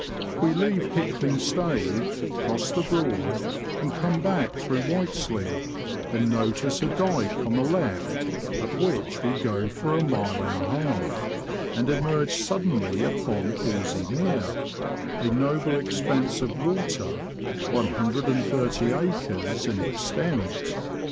We leave Hickling Staithe, cross the Broad, and come back through Whiteslea, and notice a dyke on the left, up which we go for a mile and a half, and emerge suddenly upon Horsey Mere, a noble expanse of water, 130 acres in extent.